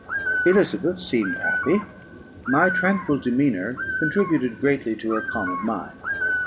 Elizabeth seemed happy; my tranquil demeanour contributed greatly to calm her mind.